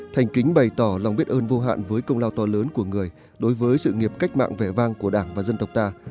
thành kính bày tỏ lòng biết ơn vô hạn với công lao to lớn của người đối với sự nghiệp cách mạng vẻ vang của đảng và dân tộc ta